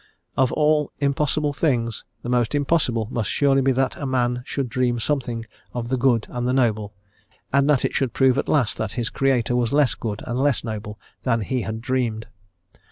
"Of all impossible thing, the most impossible must surely be that a man should dream something of the Good and the Noble, and that it should prove at last that his Creator was less good and less noble than he had dreamed."